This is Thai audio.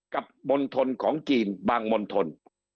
กับมนทรของจีนบางมนทร